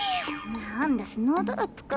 なんだスノードロップか。